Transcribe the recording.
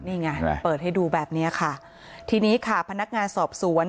นี่ไงเปิดให้ดูแบบเนี้ยค่ะทีนี้ค่ะพนักงานสอบสวน